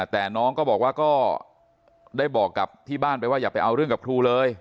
แต่น้องก็บอกว่าก็ได้บอกกับที่บ้านไปว่าอย่าไปเอาเรื่องกับครูเลย